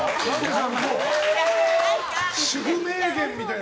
主婦名言みたいな。